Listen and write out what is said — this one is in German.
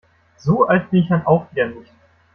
So alt bin ich dann auch wieder nicht.